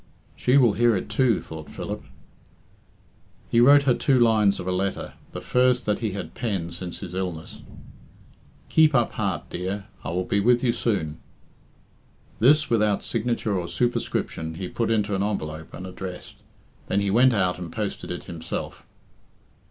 "She will hear it too," thought Philip. He wrote her two lines of a letter, the first that he had penned since his illness "Keep up heart, dear; I will be with you soon." This, without signature or superscription, he put into an envelope, and addressed. Then he went out and posted it himself.